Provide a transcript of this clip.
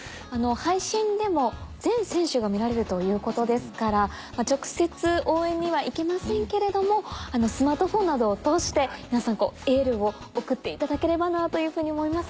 配信でも全選手が見られるということですから直接応援には行けませんけれどもスマートフォンなどを通して皆さんエールを送っていただければなというふうに思いますね。